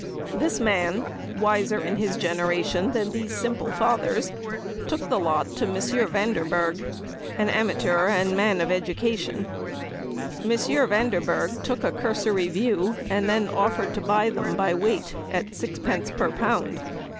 This man, wiser in his generation than these simple fathers, took the lot to M. Vanderberg, an amateur and man of education. M. Vanderberg took a cursory view, and then offered to buy them by weight at sixpence per pound.